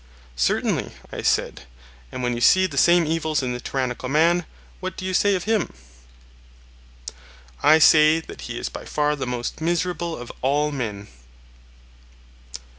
Certainly, I said. And when you see the same evils in the tyrannical man, what do you say of him? I say that he is by far the most miserable of all men.